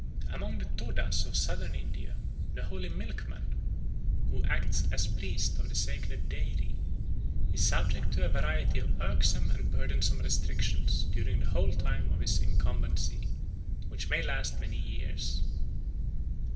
Among the Todas of Southern India the holy milkman, who acts as priest of the sacred dairy, is subject to a variety of irksome and burdensome restrictions during the whole time of his incumbency, which may last many years.